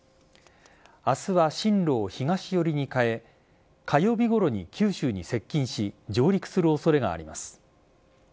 明日は進路を東寄りに変え火曜日ごろに九州に接近し上陸する恐れがあります。